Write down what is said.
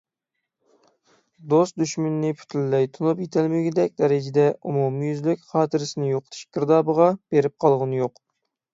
دوست - دۈشمىنىنى پۈتۈنلەي تونۇپ يېتەلمىگۈدەك دەرىجىدە ئومۇميۈزلۈك خاتىرىسىنى يوقىتىش گىردابىغا بېرىپ قالغىنى يوق.